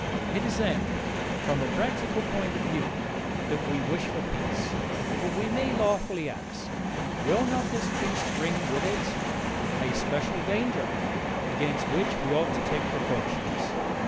It is, then, from a practical point of view that we wish for peace. But, we may lawfully ask, will not this peace bring with it a special danger, against which we ought to take precautions?